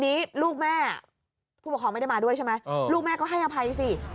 ทีนี้ลูกแม่ผู้ปกครองไม่ได้มาด้วยใช่ไหมลูกแม่ก็ให้อภัยสิ